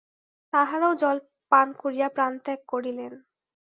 তাঁহারাও জল পান করিয়া প্রাণত্যাগ করিলেন।